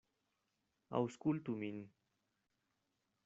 Aŭskultu min.